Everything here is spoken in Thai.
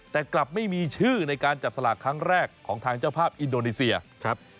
แต่กลับไม่มีชื่อในการจับสลากครั้งแรกของทางเจ้าภาพอินโดนีเซียครับ